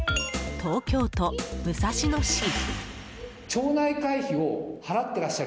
東京都武蔵野市。